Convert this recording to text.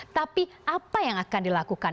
tapi apa yang akan dilakukan